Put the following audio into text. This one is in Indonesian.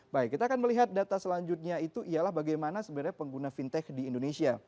baik kita akan melihat data selanjutnya itu ialah bagaimana sebenarnya pengguna fintech di indonesia